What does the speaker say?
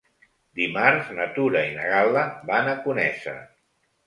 Dimarts na Tura i na Gal·la van a Conesa.